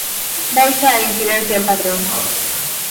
Baixa a incidencia en Padrón.